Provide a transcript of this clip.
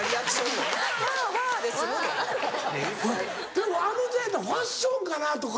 でもあのちゃんやったらファッションかな？とか。